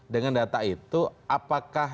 dengan data itu apakah